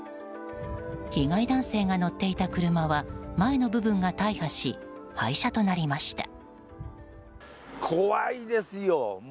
被害男性が乗っていた車は前の部分が大破し廃車となりました。